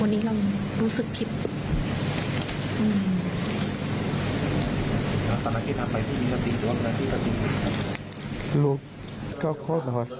วันนี้เรารู้สึกคิด